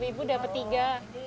rp sepuluh an dapat tiga